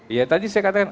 ya tadi saya katakan